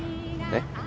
えっ？